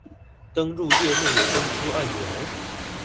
登入頁面有登出按鈕？！